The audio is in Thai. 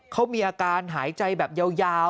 เขามีอาการหายใจแบบยาว